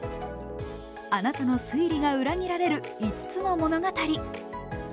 あなたの推理が裏切られる５つの物語。